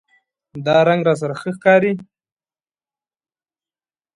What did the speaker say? دا رنګ راسره ښه ښکاری